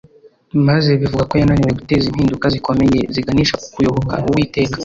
maze bivuga ko yananiwe guteza impinduka zikomeye ziganisha ku kuyoboka uwiteka